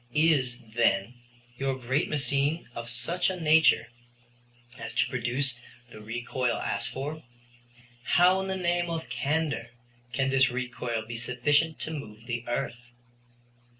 Is, then, your great machine of such a nature as to produce the recoil asked for? How in the name of candor can this recoil be sufficient to move the earth?